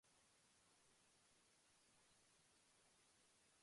There are usually many activities and games organized for the day.